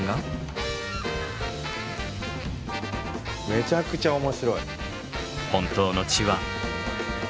めちゃくちゃ面白い。